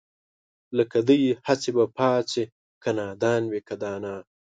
لکه دئ هسې به پاڅي که نادان وي که دانا